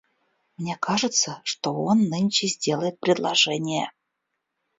Мне кажется, что он нынче сделает предложение.